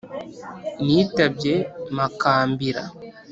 Nitabye Makambira ;